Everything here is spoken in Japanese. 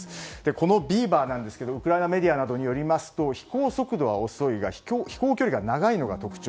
このビーバー、ウクライナのメディアなどによりますと飛行速度は遅いが飛行距離が長いのが特徴。